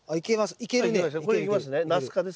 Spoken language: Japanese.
いけます？